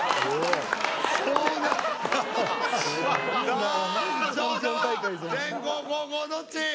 さあ勝者は先攻後攻どっち？